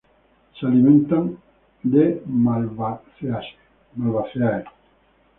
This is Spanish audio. Se alimentan de Malvaceae.